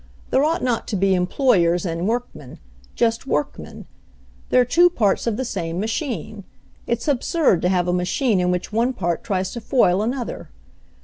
"There ought not to be employers and workmen — just workmen. They're two parts of the same machine. It's absurd to have a machine in which one part tries to foil another.